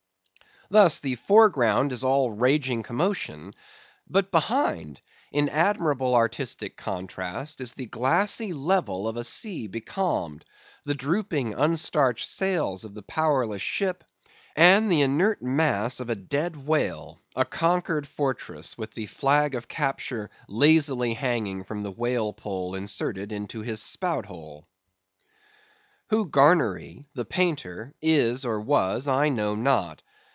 Thus, the foreground is all raging commotion; but behind, in admirable artistic contrast, is the glassy level of a sea becalmed, the drooping unstarched sails of the powerless ship, and the inert mass of a dead whale, a conquered fortress, with the flag of capture lazily hanging from the whale pole inserted into his spout hole. Who Garnery the painter is, or was, I know not.